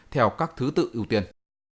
theo các thứ tự ưu tiên